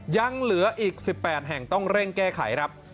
ยังเหลืออีก๑๘แห่งต้องเร่งแก้ไขครับ